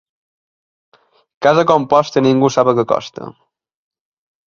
Casa composta ningú sap el que costa.